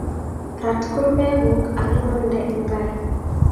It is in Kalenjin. Rat kurubekuk akimang'de eng' kai